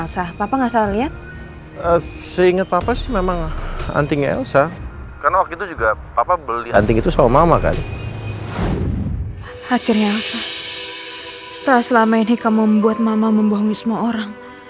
sampai jumpa di video selanjutnya